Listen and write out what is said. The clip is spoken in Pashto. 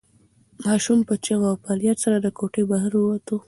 ماشوم په چیغو او فریاد سره له کوټې بهر ووت.